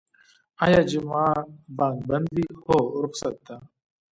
ایا جمعه بانک بند وی؟ هو، رخصت ده